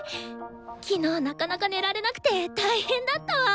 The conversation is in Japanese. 昨日なかなか寝られなくて大変だったわ。